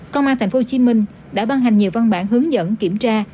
công an tp hcm đã ban hành nhiều văn bản hướng dẫn kiểm tra